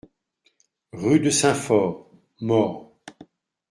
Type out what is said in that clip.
Rue de Saint-Fort, Morre